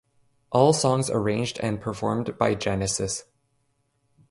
All songs arranged and performed by Genesis.